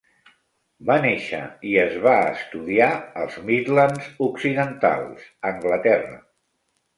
Va néixer i es va estudiar als Midlands Occidentals, Anglaterra.